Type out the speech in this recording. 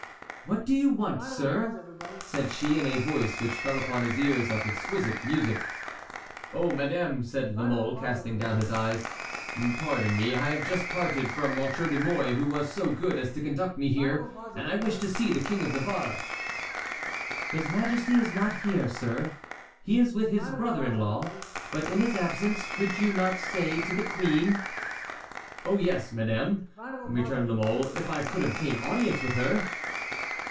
"What do you want, sir?" said she, in a voice which fell upon his ears like exquisite music. "Oh, madame," said La Mole, casting down his eyes, "pardon me; I have just parted from M. de Mouy, who was so good as to conduct me here, and I wish to see the King of Navarre." "His majesty is not here, sir; he is with his brother in law. But, in his absence, could you not say to the queen"— "Oh, yes, madame," returned La Mole, "if I could obtain audience of her."